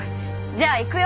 じゃあいくよ。